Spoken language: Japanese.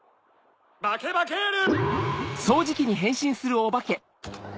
バケバケル！